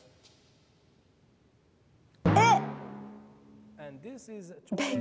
えっ！